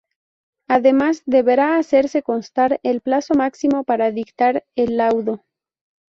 Además deberá hacerse constar el plazo máximo para dictar el laudo.